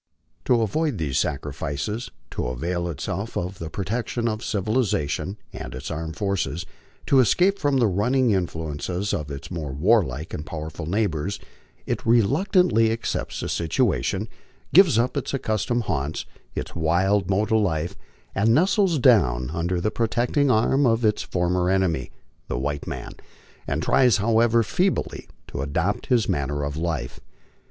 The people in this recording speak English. To avoid these sacrifices, to avail itself of the protection of civilization and its armed forces, to escape from the ruin ing influences of its more warlike and powerful neighbors, it reluctantly ao MY LIFE ON THE PLAINS. 17 cepis the situation, gives up its accustomed haunts, its wild mode of life, and nestles down under the protecting arm of its former enemy, the white man, and tries, however feebly, to adopt his manner of life.